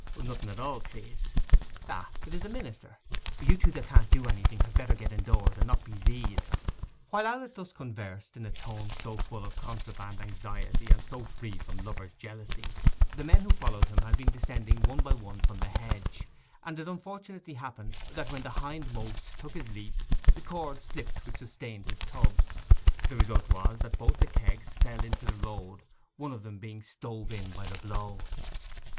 'Nothing at all, please. Ah, it is the minister!—you two that can't do anything had better get indoors and not be zeed.' While Owlett thus conversed, in a tone so full of contraband anxiety and so free from lover's jealousy, the men who followed him had been descending one by one from the hedge; and it unfortunately happened that when the hindmost took his leap, the cord slipped which sustained his tubs: the result was that both the kegs fell into the road, one of them being stove in by the blow.